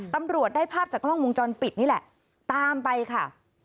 ตำรวจได้ภาพจากกล้องวงจรปิดนี่แหละตามไปค่ะ